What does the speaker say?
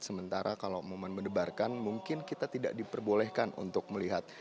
sementara kalau momen mendebarkan mungkin kita tidak diperbolehkan untuk melihat